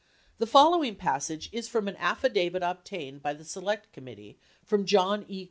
The follow ing passage is from an affidavit 98 obtained by the Select Committee from John E.